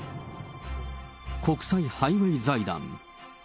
国際ハイウェイ財団。